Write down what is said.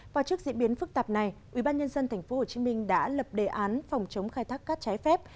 và trước diễn biến phức tạp này ubnd tp hcm đã lập đề án phòng chống khai thác cát trái phép